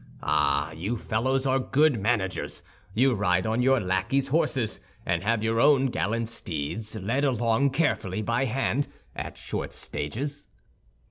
Ah, you fellows are good managers! You ride on our lackey's horses, and have your own gallant steeds led along carefully by hand, at short stages."